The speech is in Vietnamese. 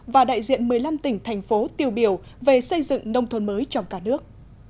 và đại diện một mươi năm tỉnh thành phố tiêu biểu về xây dựng nông thôn mới trong cả nước